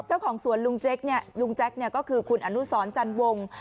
เจ้าของสวนลุงเจ๊กเนี่ยลุงแจ๊กก็คือคุณอนุสรจันวง